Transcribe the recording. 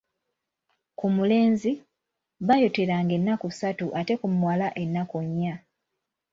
Ku mulenzi, baayoteranga ennaku ssatu ate ku muwala ennaku nnya.